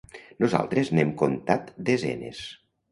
Nosaltres n'hem comptat desenes.